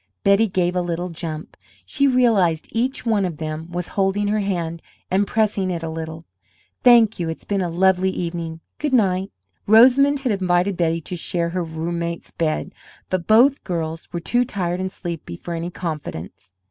Betty gave a little jump; she realized each one of them was holding her hand and pressing it a little. "Thank you, it's been a lovely evening. Goodnight." Rosamond had invited Betty to share her roommate's bed, but both girls were too tired and sleepy for any confidence.